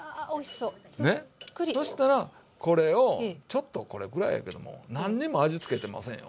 そしたらこれをちょっとこれぐらいやけども何にも味付けてませんよ